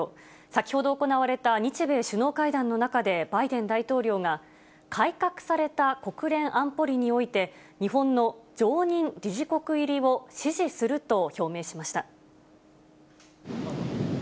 先ほど行われた日米首脳会談の中でバイデン大統領が改革された国連安保理において、日本の常任理事国入りを支持すると表明しました。